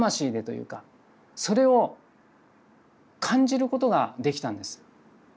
いうかそれを感じることができたんです。